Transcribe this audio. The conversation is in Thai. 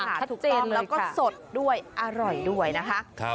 ชาถูกต้องแล้วก็สดด้วยอร่อยด้วยนะคะ